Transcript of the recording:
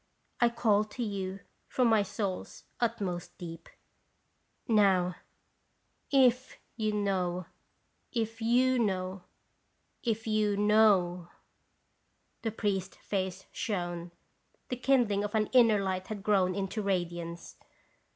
I call to you from my soul's utmost deep, Now if you know, if you know, if you knowf The priest's face shone; the kindling of an inner light had grown into radiance.